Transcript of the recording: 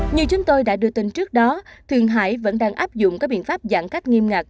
như chúng tôi đã đưa tin trước đó thuyền hải vẫn đang áp dụng các biện pháp giãn cách nghiêm ngặt